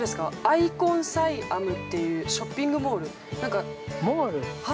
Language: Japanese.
アイコンサイアムというショッピングモール。